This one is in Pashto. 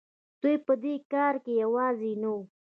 دوی په دې کار کې یوازې نه وو.